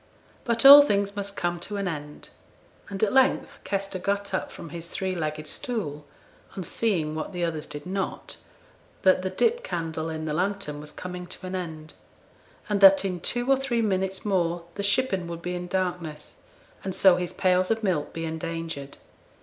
But all things must come to an end; and at length Kester got up from his three legged stool, on seeing what the others did not that the dip candle in the lantern was coming to an end and that in two or three minutes more the shippen would be in darkness, and so his pails of milk be endangered.